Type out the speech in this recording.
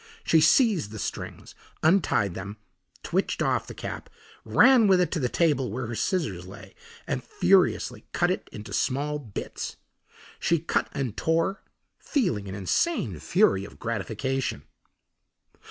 She seized the strings, untied them, twitched off the cap, ran with it to the table where her scissors lay and furiously cut it into small bits. She cut and tore, feeling an insane fury of gratification.